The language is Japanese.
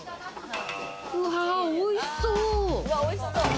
うわ、おいしそう！